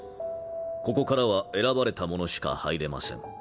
ここからは選ばれた者しか入れません。